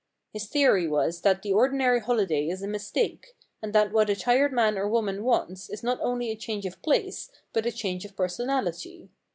His theory was that the ordinary holiday is a mistake, and that what a tired man or woman wants is not only a change of place but a change of personality.